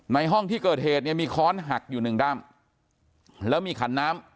ห้องที่เกิดเหตุเนี่ยมีค้อนหักอยู่หนึ่งด้ำแล้วมีขันน้ำ